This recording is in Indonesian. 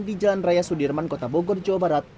di jalan raya sudirman kota bogor jawa barat